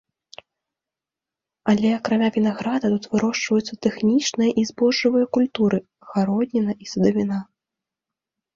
Але акрамя вінаграда, тут вырошчваюцца тэхнічныя і збожжавыя культуры, гародніна і садавіна.